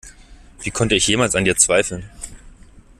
Wie konnte ich jemals an dir zweifeln?